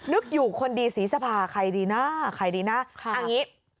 นึกอยู่คนดีศรีสภาใครดีนะใครดีนะเอาอย่างนี้